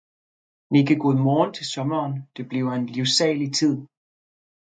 nikke godmorgen til sommeren, det bliver en livsalig tid!